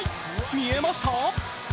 見えました？